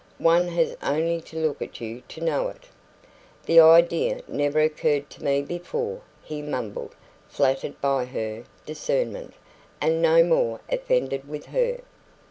One has only to look at you to know it." "The idea never occurred to me before," he mumbled, flattered by her discernment, and no more offended with her.